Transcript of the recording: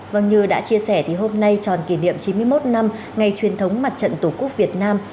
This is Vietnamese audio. vâng như đã chia sẻ thì hôm nay tròn kỷ niệm chín mươi một năm ngày truyền thống mặt trận tổ quốc việt nam